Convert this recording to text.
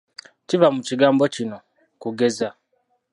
Kiva mu kigambo kino: Kugeza.